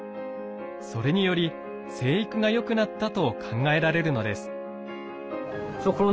それにより生育が良くなったと考えられるのです。